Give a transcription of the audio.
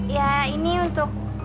ya ini untuk